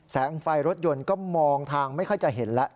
แสงไฟรถยนต์ก็มองทางไม่ค่อยจะเห็นแล้ว